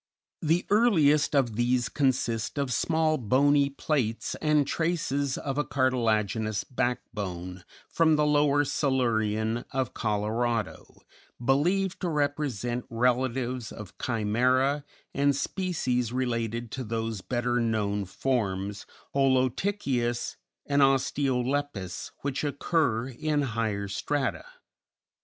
The earliest of these consist of small bony plates, and traces of a cartilaginous backbone from the Lower Silurian of Colorado, believed to represent relatives of Chimæra and species related to those better known forms Holoptychius and Osteolepis, which occur in higher strata.